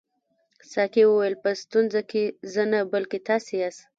ساقي وویل په ستونزه کې زه نه بلکې تاسي یاست.